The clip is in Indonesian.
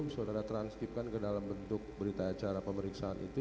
saudara transkipkan ke dalam bentuk berita acara pemeriksaan itu